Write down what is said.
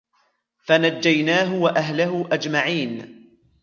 فنجيناه وأهله أجمعين